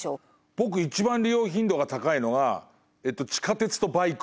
僕一番利用頻度が高いのは地下鉄とバイク。